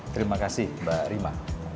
terima kasih mbak rima